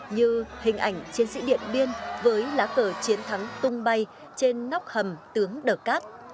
như hình ảnh chiến sĩ điện biên với lá cờ chiến thắng tung bay trên nóc hầm tướng đờ cát